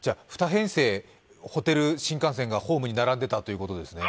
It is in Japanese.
２編成、ホテル新幹線がホームに並んでいたということですね。